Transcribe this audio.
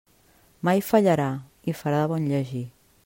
Mai fallarà i farà de bon llegir.